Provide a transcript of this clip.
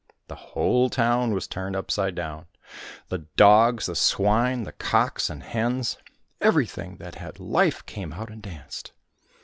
The whole town was turned upside down : the dogs, the swine, the cocks and hens, everything that had life came out and danced.